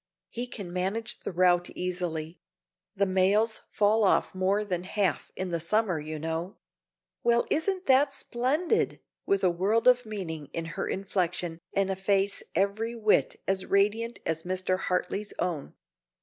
He can manage the route easily; the mails fall off more than half in the summer, you know." "Well, isn't that splendid!" with a world of meaning in her inflection and a face every whit as radiant as Mr. Hartley's own.